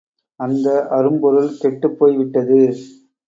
அந்த அரும் பொருள் கெட்டுப்போய் விட்டது.